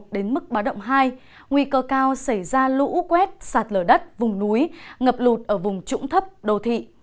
đến mức báo động hai nguy cơ cao xảy ra lũ quét sạt lở đất vùng núi ngập lụt ở vùng trũng thấp đô thị